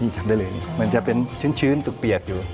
จับได้เลยละอีกเหมือนจะเป็นชื้นตรุปเปียกอยู่